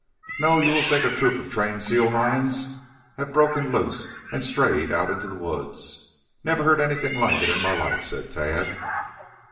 "No, you will think a troop of trained sea lions have broken loose and strayed out in the woods. Never heard anything like it in my life," said Tad.